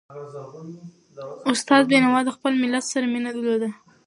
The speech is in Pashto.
استاد بينوا د خپل ملت سره مینه درلوده.